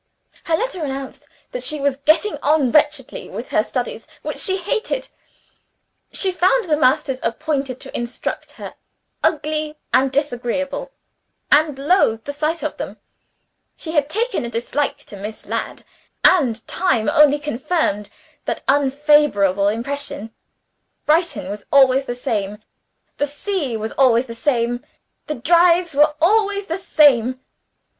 Her letter announced that she was "getting on wretchedly with her studies (which she hated); she found the masters appointed to instruct her ugly and disagreeable (and loathed the sight of them); she had taken a dislike to Miss Ladd (and time only confirmed that unfavorable impression); Brighton was always the same; the sea was always the same; the drives were always the same.